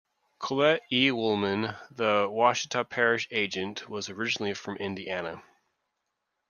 Collett E. Woolman, the Ouachita Parish agent, was originally from Indiana.